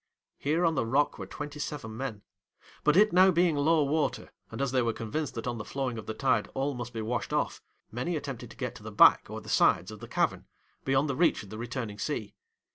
'Here on the rock were twenty seven men; but it now being low water, and as they were convinced that on the flowing of the tide all must be washed off, many attempted to get to the back or the sides of the cavern, beyond the reach of the returning sea.